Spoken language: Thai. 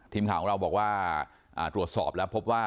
ทีมข่าวของเราบอกว่าตรวจสอบแล้วพบว่า